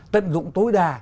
tận dụng tối đa